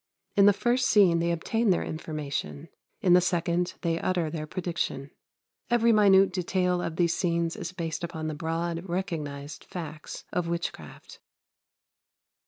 In the first scene they obtain their information; in the second they utter their prediction. Every minute detail of these scenes is based upon the broad, recognized facts of witchcraft.